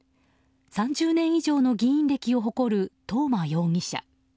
３０年以上の議員歴を誇る東間容疑者。